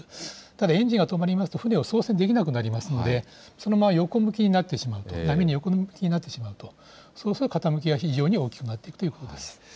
ただエンジンが止まりますと、船を操船できなくなりますので、そのまま横向きになってしまうと、波に横向きになってしまうと、そうすると傾きが非常に大きくなっていくということです。